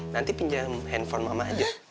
nanti pinjam handphone mama aja